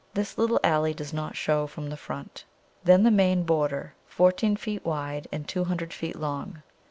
This little alley does not show from the front. Then the main border, fourteen feet wide and two hundred feet long.